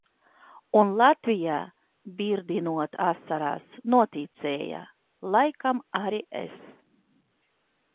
Un Latvija, birdinot asaras, noticēja, laikam arī es.